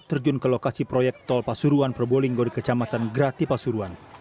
terjun ke lokasi proyek tol pasuruan probolinggo di kecamatan grati pasuruan